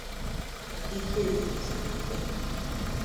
Maazị Ikem Osanakpo